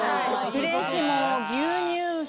うれしい。